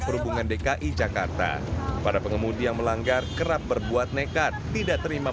perhubungan dki jakarta para pengemudi yang melanggar kerap berbuat nekat tidak terima